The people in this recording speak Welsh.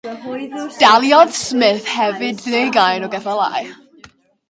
Daliodd Smith hefyd ddeugain o geffylau.